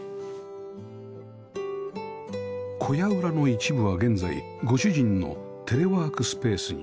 小屋裏の一部は現在ご主人のテレワークスペースに